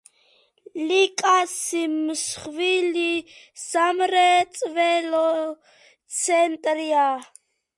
ლიკასი მსხვილი სამრეწველო ცენტრია.